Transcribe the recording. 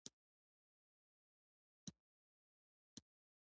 په دوحه کې وکتل.